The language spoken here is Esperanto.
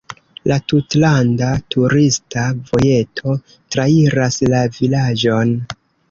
La tutlanda turista vojeto trairas la vilaĝon.